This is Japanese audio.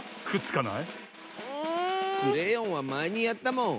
クレヨンはまえにやったもん！